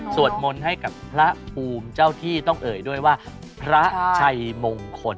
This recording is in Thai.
มนต์ให้กับพระภูมิเจ้าที่ต้องเอ่ยด้วยว่าพระชัยมงคล